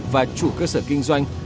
và chủ cơ sở kinh doanh